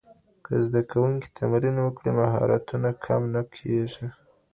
که زده کوونکي تمرین وکړي، مهارتونه کم نه کيږي.